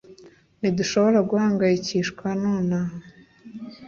ntidushobora guhangayikishwa nonaha